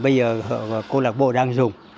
bây giờ cô lạc bộ đang dùng